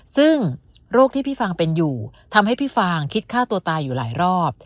ซึ่งโรคที่พี่ฟางเป็นอยู่ทำให้พี่ฟางคิดฆ่าตัวตายอยู่หลายรอบ